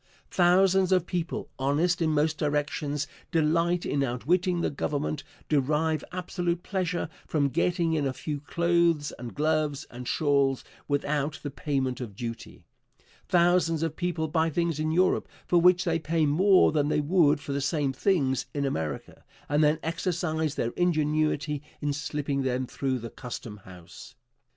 Thousands of people, honest in most directions, delight in outwitting the Government derive absolute pleasure from getting in a few clothes and gloves and shawls without the payment of duty. Thousands of people buy things in Europe for which they pay more than they would for the same things in America, and then exercise their ingenuity in slipping them through the custom house.